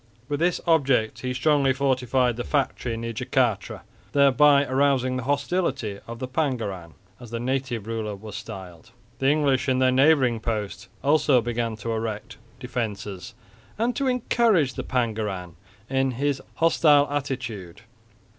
With this object he strongly fortified the factory near Jacatra, thereby arousing the hostility of the Pangeran, as the native ruler was styled. The English in their neighbouring post also began to erect defences and to encourage the Pangeran in his hostile attitude.